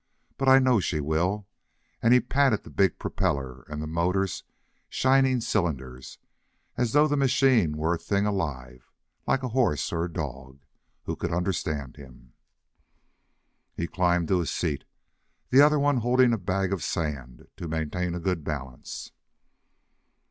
But I know she will," and he patted the big propeller and the motor's shining cylinders as though the machine was a thing alive, like a horse or a dog, who could understand him. He climbed to his seat, the other one holding a bag of sand to maintain a good balance.